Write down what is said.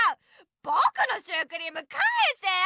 ぼくのシュークリームかえせよ！